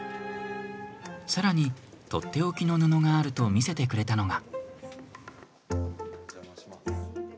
さらに、とっておきの布があると見せてくれたのが。